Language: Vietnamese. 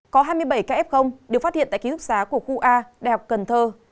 có hai mươi bảy kf được phát hiện tại ký thúc xá của khu a đh cần thơ